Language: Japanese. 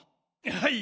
はい。